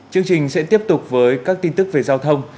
chương trình sẽ tiếp tục với các tin tức về giao thông